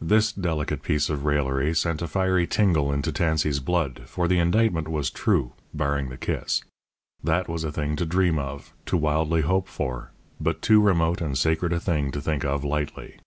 This delicate piece of raillery sent a fiery tingle into Tansey's blood, for the indictment was true barring the kiss. That was a thing to dream of; to wildly hope for; but too remote and sacred a thing to think of lightly.